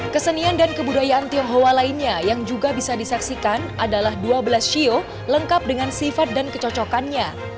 kesenian dan kebudayaan tionghoa lainnya yang juga bisa disaksikan adalah dua belas sio lengkap dengan sifat dan kecocokannya